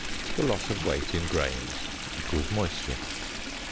The loss of weight in grains = moisture.